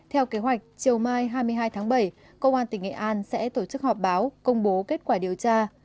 theo kế hoạch chiều mai hai mươi hai tháng bảy công an tỉnh nghệ an sẽ tổ chức họp báo công bố kết quả điều tra